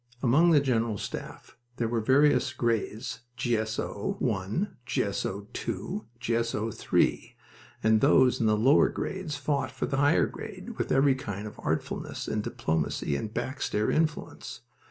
Among the General Staff there were various grades G.S.O. I, G.S.O. II, G.S.O. III, and those in the lower grades fought for a higher grade with every kind of artfulness, and diplomacy and back stair influence.